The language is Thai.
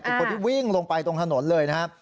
คนที่วิ่งลงไปตรงถนนเลยนะครับ